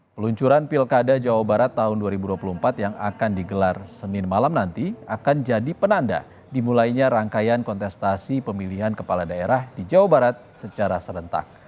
peluncuran pilkada jawa barat tahun dua ribu dua puluh empat yang akan digelar senin malam nanti akan jadi penanda dimulainya rangkaian kontestasi pemilihan kepala daerah di jawa barat secara serentak